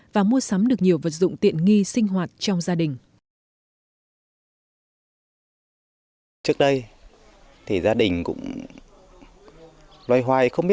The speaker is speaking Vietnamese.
và mua sắm được nhiều vật dụng tiện nghi sinh hoạt trong gia đình